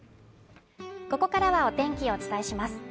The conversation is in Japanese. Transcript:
ここからはお天気をお伝えします